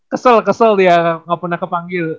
kesel kesel dia nggak pernah kepanggil